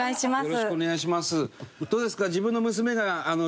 よろしくお願いします。